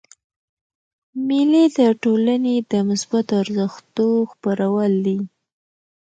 مېلې د ټولني د مثبتو ارزښتو خپرول دي.